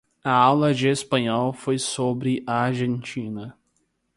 A aula de espanhol foi sobre a Argentina.